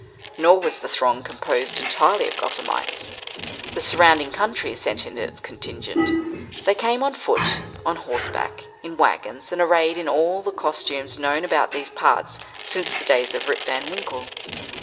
Nor was the throng composed entirely of Gothamites. The surrounding country sent in its contingent. They came on foot, on horseback, in wagons, and arrayed in all the costumes known about these parts, since the days of Rip Van Winkle.